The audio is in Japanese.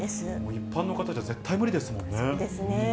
一般の方じゃ絶対無理ですもそうですね。